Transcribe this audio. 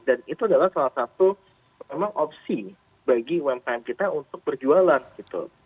dan itu adalah salah satu memang opsi bagi wempang kita untuk berjualan gitu